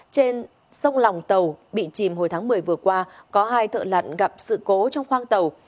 trên sông lòng tàu bị chìm hồi tháng một mươi vừa qua có hai thợ lặn gặp sự cố trong khoang tàu